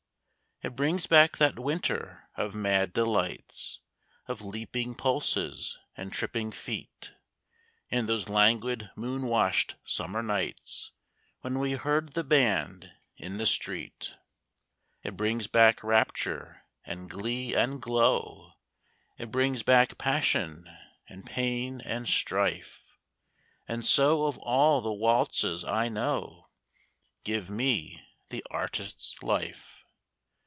It brings back that Winter of mad delights, Of leaping pulses and tripping feet, And those languid moon washed Summer nights When we heard the band in the street. It brings back rapture and glee and glow, It brings back passion and pain and strife, And so of all the waltzes I know, Give me the "Artist's Life."